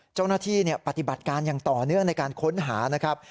เจ้าหน้าที่ปฏิบัติการยังต่อเนื่องในการค้นหานะครับ